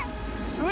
うわ！